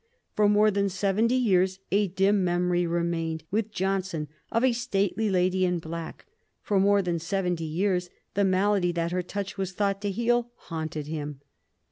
For more than seventy years a dim memory remained with Johnson of a stately lady in black; for more than seventy years the malady that her touch was thought to heal haunted him.